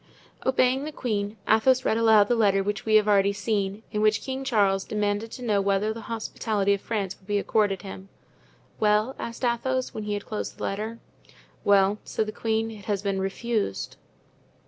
Obeying the queen, Athos read aloud the letter which we have already seen, in which King Charles demanded to know whether the hospitality of France would be accorded him. "Well?" asked Athos, when he had closed the letter. "Well," said the queen, "it has been refused."